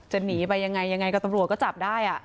หนีไปยังไงยังไงกับตำรวจก็จับได้